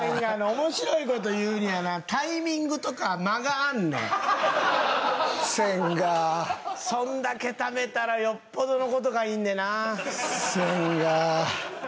面白いこと言うにはなタイミングとか間があんねん千賀そんだけ食べたらよっぽどのことがいんでな千賀